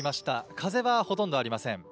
風はほとんどありません。